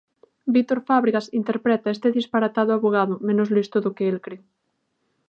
Víctor Fábregas interpreta este disparatado avogado menos listo do que el cre.